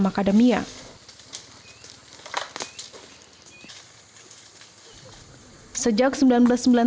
ini bisa menjadi lahan potensial untuk menanam macadamia